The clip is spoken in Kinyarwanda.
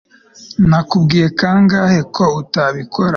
Nakubwiye kangahe ko utabikora